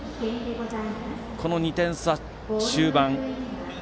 この２点差、終盤。